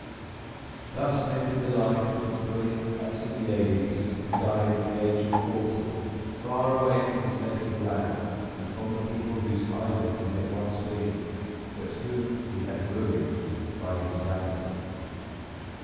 Thus ended the life of the brilliant Alcibiades, who died at the age of forty, far away from his native land, and from the people whose idol he had once been, but whom he had ruined by his vanity.